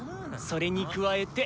それに加えて。